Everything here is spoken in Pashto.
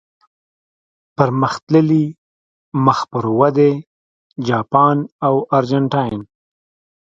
پرمختللي، مخ پر ودې، جاپان او ارجنټاین.